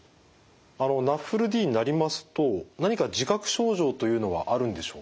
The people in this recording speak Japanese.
ＮＡＦＬＤになりますと何か自覚症状というのはあるんでしょうか？